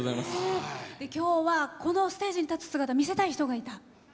今日はこのステージに立つ姿見せたい人がいた？